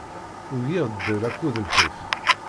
Ugiɣ ddel akked lḥif.